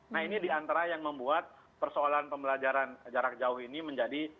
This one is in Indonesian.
nah ini diantara yang membuat persoalan pembelajaran jarak jauh ini menjadi